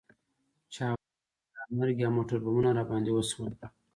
چاودنې، ځانمرګي او موټربمونه راباندې وشول.